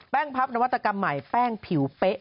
พับนวัตกรรมใหม่แป้งผิวเป๊ะ